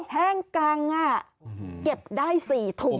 แห้งกังเก็บได้๔ถุง